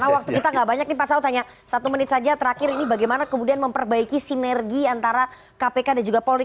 karena waktu kita nggak banyak nih pak saud hanya satu menit saja terakhir ini bagaimana kemudian memperbaiki sinergi antara kpk dan juga polri